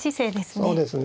そうですね。